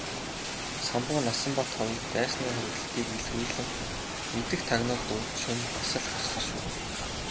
Самбуу Насанбат хоёр дайсны хориглолтыг илрүүлэн мэдэх тагнуулд урьд шөнө бас л гарсан шүү.